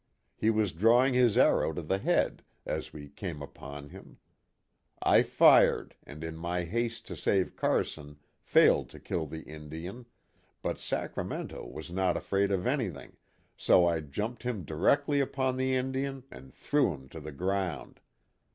He was drawing his arrow to the head, as we came upon him ! I fired and in my haste to save Car son failed to kill the Indian, but ' Sacramento ' was not afraid of anything, so I jumped him directly upon the Indian and threw him to the ground.